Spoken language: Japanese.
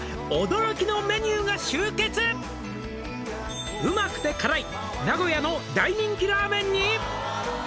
「驚きのメニューが集結」「旨くて辛い名古屋の大人気ラーメンに」